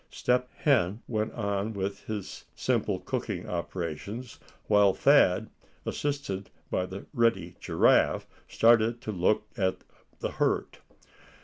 Step Hen went on with his simple cooking operations, while Thad, assisted by the ready Giraffe, started to look at the hurt.